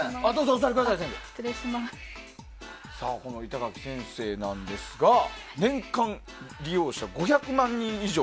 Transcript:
板垣先生なんですが年間利用者５００万人以上。